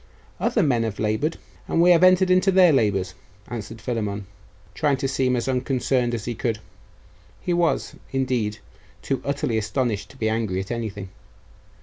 'Other men have laboured, and we have entered into their labours,' answered Philammon, trying to seem as unconcerned as he could. He was, indeed, too utterly astonished to be angry at anything.